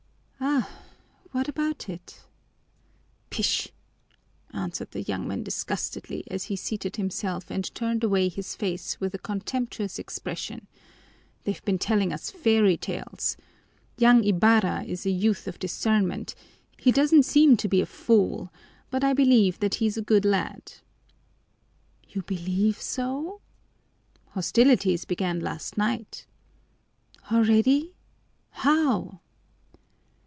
"Ah! What about it?" "Pish!" answered the young man disgustedly, as he seated himself and turned away his face with a contemptuous expression, "They've been telling us fairy tales. Young Ibarra is a youth of discernment; he doesn't seem to be a fool, but I believe that he is a good lad." "You believe so?" "Hostilities began last night." "Already? How?"